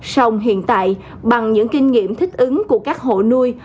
sông hiện tại bằng những kinh nghiệm thích ứng của các hộ nuôi